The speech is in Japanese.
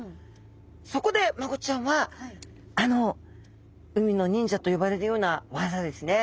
そこでマゴチちゃんはあの海の忍者と呼ばれるような技ですね